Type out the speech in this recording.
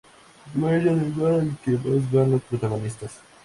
Dueño del bar al que más van los protagonistas.